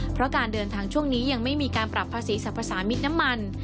เพราะการเดินทางช่วงนี้ยังไม่มีการปรับภาษีสรรพสามิตรน้ำมัน